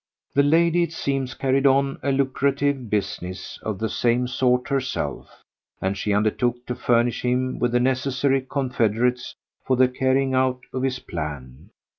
The lady, it seems, carried on a lucrative business of the same sort herself, and she undertook to furnish him with the necessary confederates for the carrying out of his plan.